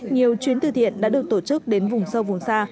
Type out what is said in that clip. nhiều chuyến từ thiện đã được tổ chức đến vùng sâu vùng xa